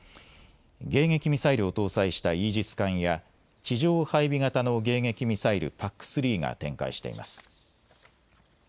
迎撃ミサイルを搭載したイージス艦や地上配備型の迎撃ミサイル、ＰＡＣ３が展開しています。